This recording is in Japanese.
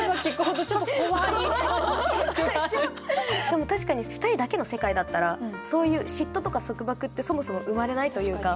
でも確かに２人だけの世界だったらそういう嫉妬とか束縛ってそもそも生まれないというか。